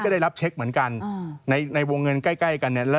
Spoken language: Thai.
ได้รับเช็คเหมือนกันในวงเงินใกล้